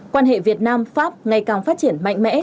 quan hệ việt nam pháp ngày càng phát triển mạnh mẽ